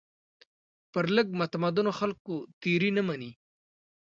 پر لږ متمدنو خلکو تېري نه مني.